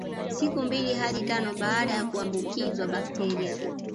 Siku mbili hadi tano baada ya kuambukizwa bakteria